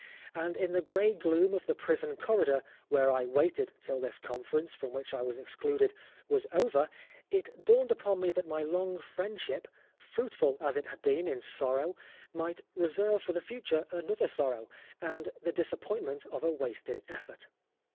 And in the grey gloom of the prison corridor where I waited till this conference, from which I was excluded, was over, it dawned upon me that my long friendship, fruitful as 216 Oscar Wilde it had been in sorrow, might reserve for the future another sorrow, and the disappoint ment of a wasted effort.